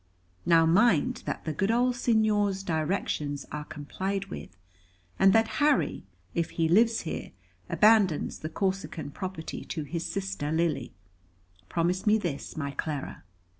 Now mind that the good old Signor's directions are complied with, and that Harry, if he lives here, abandons the Corsican property to his sister Lily. Promise me this, my Clara."